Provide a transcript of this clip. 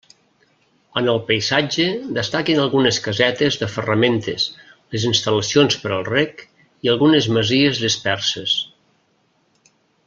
En el paisatge destaquen algunes casetes de ferramentes, les instal·lacions per al reg i algunes masies disperses.